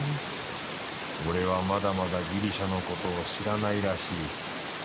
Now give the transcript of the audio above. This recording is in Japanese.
俺はまだまだギリシャのことを知らないらしい。